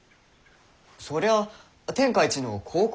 そりゃあ天下一の孝行